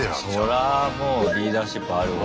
そらぁもうリーダーシップあるわ。